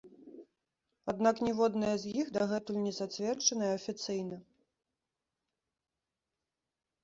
Аднак ніводная з іх дагэтуль не зацверджаная афіцыйна.